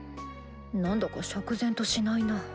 何だか釈然としないな。